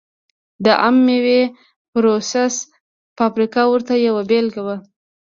د عم مېوې پروسس فابریکه ورته یوه بېلګه وه.